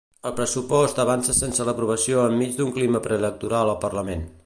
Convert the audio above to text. El pressupost avança sense l'aprovació enmig d'un clima preelectoral al parlament.